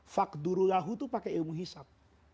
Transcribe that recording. fakdurulahu itu pake ilmu hisap